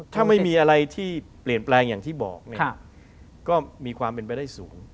ถ้าไม่มีอะไรที่เปลี่ยนแปลงอย่างที่บอกเนี่ยก็มีความเป็นไปได้สูง